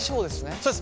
そうです。